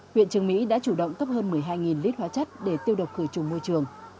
huyện trường mỹ đã chủ động cấp hơn một mươi hai lít hóa chất để tiêu độc khử trùng môi trường